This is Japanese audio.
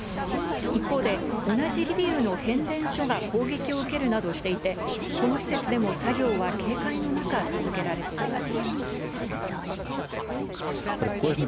一方で、同じリビウの変電所が攻撃を受けるなどしていて、この施設でも作業は警戒の中、続けられています。